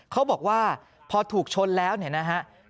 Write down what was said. เขาบอกว่าพอถูกชนแล้วเนี่ยนะฮะ